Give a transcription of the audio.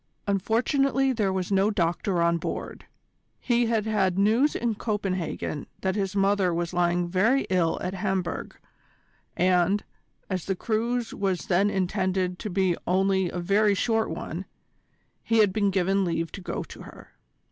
Unfortunately there was no doctor on board. He had had news in Copenhagen that his mother was lying very ill at Hamburg, and, as the cruise was then intended to be only a very short one, he had been given leave to go to her.